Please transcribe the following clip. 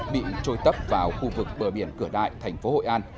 bị trôi tấp vào khu vực bờ biển cửa đại thành phố hội an